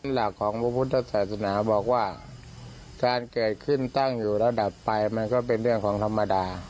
หลักของพระพุทธศาสนาบอกว่าการเกิดขึ้นตั้งอยู่ระดับไปมันก็เป็นเรื่องของธรรมดา